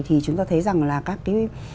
thì chúng ta thấy rằng là các cái